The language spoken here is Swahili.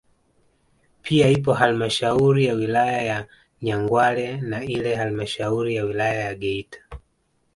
Pia ipo halmashauri ya wilaya ya Nyangwale na ile halmashauri ya wilaya ya Geita